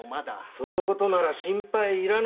そのことなら心配いらぬ。